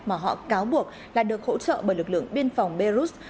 mà họ cáo buộc là được hỗ trợ bởi lực lượng biên phòng belarus